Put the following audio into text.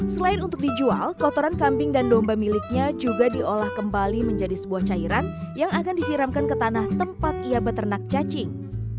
selain untuk dijual kotoran kambing dan domba miliknya juga diolah kembali menjadi sebuah cairan yang akan disiramkan ke tanah tempat ia beternak cacing